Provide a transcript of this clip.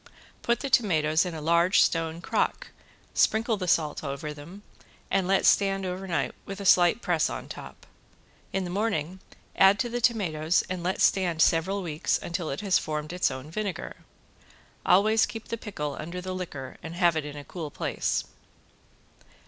Put the tomatoes in a large stone crock, sprinkle the salt over them and let stand over night with a slight press on top. In the morning add to the tomatoes and let stand several weeks until it has formed its own vinegar. Always keep the pickle under the liquor and have it in a cool place.